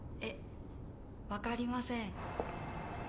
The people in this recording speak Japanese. えっ分かりません。